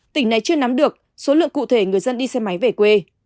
tỉnh này chưa nắm được số lượng cụ thể người dân đi xe máy về quê